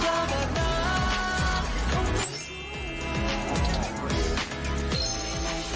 สุดท้ายสุดท้าย